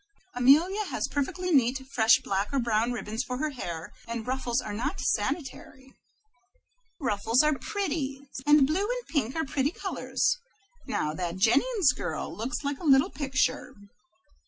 "Amelia has perfectly neat, fresh black or brown ribbons for her hair, and ruffles are not sanitary." "Ruffles are pretty," said Grandmother Wheeler, "and blue and pink are pretty colors. Now, that Jennings girl looks like a little picture."